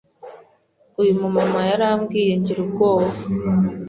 Uyu mu mama yarambwiye ngira ubwoba